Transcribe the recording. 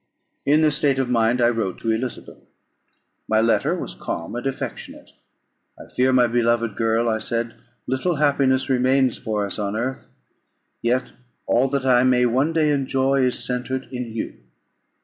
In this state of mind I wrote to Elizabeth. My letter was calm and affectionate. "I fear, my beloved girl," I said, "little happiness remains for us on earth; yet all that I may one day enjoy is centred in you.